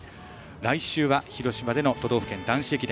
来週は広島での都道府県男子駅伝。